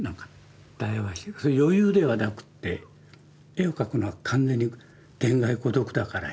余裕ではなくって絵を描くのは完全に天涯孤独だから。